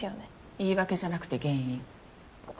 言い訳じゃなくて原因。